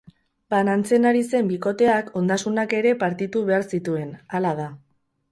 Banantzen ari zen bikoteak ondasunak ere partitu behar zituen, hala da.